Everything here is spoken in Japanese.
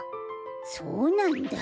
そうなんだ。